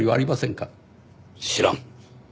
知らん。